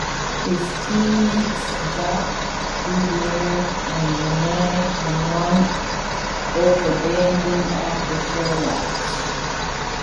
His team-mates Jacques Guders and Rene Hanriot both abandoned after four laps.